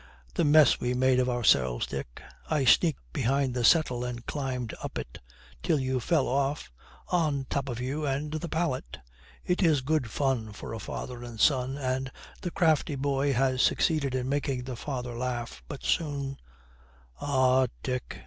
'The mess we made of ourselves, Dick.' 'I sneaked behind the settle and climbed up it.' 'Till you fell off.' 'On top of you and the palette.' It is good fun for a father and son; and the crafty boy has succeeded in making the father laugh. But soon, 'Ah, Dick.'